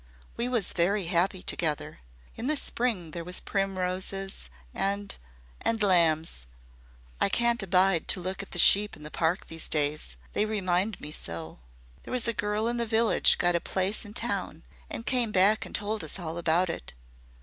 "We was very happy together. In the spring there was primroses and and lambs. I can't abide to look at the sheep in the park these days. They remind me so. There was a girl in the village got a place in town and came back and told us all about it.